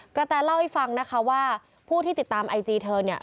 แตเล่าให้ฟังนะคะว่าผู้ที่ติดตามไอจีเธอเนี่ย